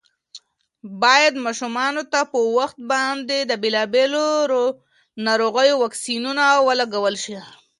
باید ماشومانو ته په وخت باندې د بېلابېلو ناروغیو واکسینونه ولګول شي.